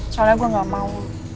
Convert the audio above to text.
soalnya gue gak mau